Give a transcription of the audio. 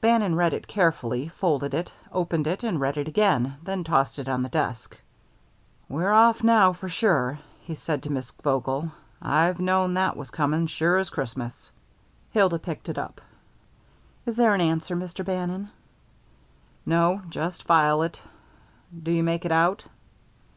Bannon read it carefully, folded it, opened it and read it again, then tossed it on the desk. "We're off now, for sure," he said to Miss Vogel. "I've known that was coming sure as Christmas." Hilda picked it up. "Is there an answer, Mr. Bannon?" "No, just file it. Do you make it out?"